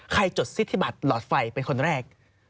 จดสิทธิบัตรหลอดไฟเป็นคนแรก